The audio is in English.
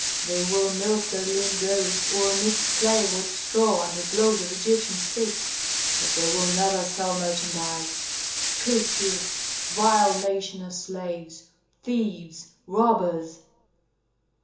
They will milk their lean goats, or mix clay with straw under blows of Egyptian sticks, but they will never sell merchandise. Tfu! tfu! Vile nation of slaves! Thieves, robbers!"